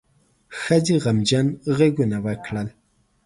ښځې غمجنه غږونه وکړل.